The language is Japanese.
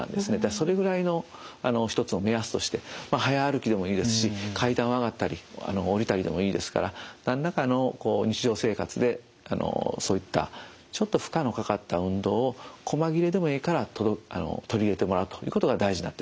それぐらいの一つの目安として早歩きでもいいですし階段を上がったり下りたりでもいいですから何らかの日常生活でそういったちょっと負荷のかかった運動を細切れでもええから取り入れてもらうということが大事になってまいります。